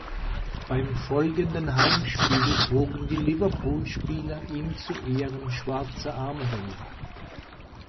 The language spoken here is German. Beim folgenden Heimspiel trugen die Liverpool-Spieler ihm zu Ehren schwarze Armbänder.